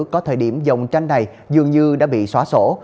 có thời điểm dòng tranh này dường như đã bị xóa sổ